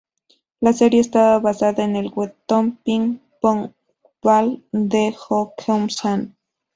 La serie está basada en el webtoon ""Ping Pong Ball"" de Jo Keum-san.